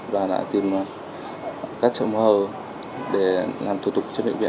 và lại tìm các trồng hờ để làm thủ tục trên bệnh viện